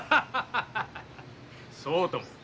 そうとも！